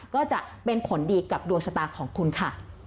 ก็จะเป็นผลดีกับดวงชะตาของคุณค่ะ